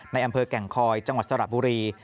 ในอำเภอแก่งคอยจังหวัดสระบุรี